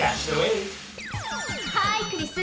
ハーイクリス！